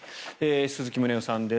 鈴木宗男さんです。